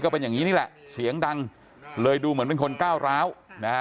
เป็นอย่างนี้นี่แหละเสียงดังเลยดูเหมือนเป็นคนก้าวร้าวนะฮะ